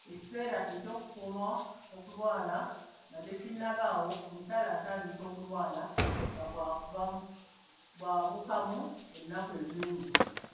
Ekiseera eky'okukoma okulwala nga tekinnabaawo, omukyala atandika okulwala nga bw'abuukamu ennaku ezimu